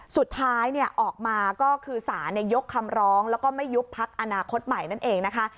สุดท้ายออกมาก็คือสารยกคำร้องแล้วก็ไม่ยุบพักอนาคตใหม่นั่นเองนะคะ